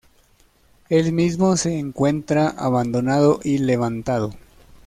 El mismo se encuentra abandonado y levantado.